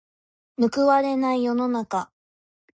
報われない世の中。